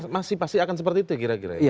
masih pasti akan seperti itu kira kira ya